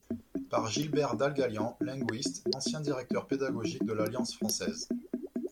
Par Gilbert Dalgalian, linguiste, ancien Directeur Pédagogique de l’Alliance Française.